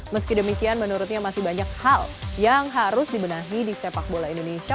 meski demikian menurutnya masih banyak hal yang harus dibenahi di sepak bola indonesia